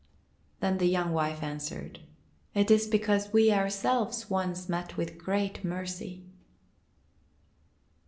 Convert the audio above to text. Then the young wife answered: "It is because we ourselves once met with great mercy."